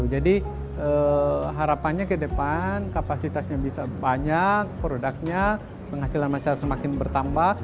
jadi harapannya ke depan kapasitasnya bisa banyak produknya penghasilan masyarakat semakin bertambah